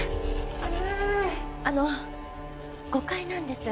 あの誤解なんです。